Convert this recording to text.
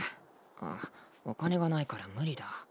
あお金がないから無理だ。